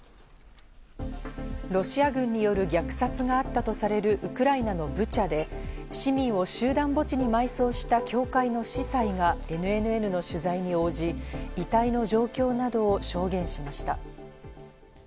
ロシア軍による虐殺があったとされるウクライナのブチャで、市民を集団墓地に埋葬した教会の司祭がＮＮＮの取材に応じ、遺体の状況などを証言しました。